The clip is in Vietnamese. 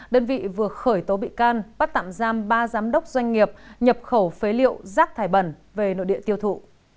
đơn vị vừa khởi tố bị can bắt tạm giam ba giám đốc doanh nghiệp nhập khẩu phế liệu rác thải bẩn về nội địa tiêu thụ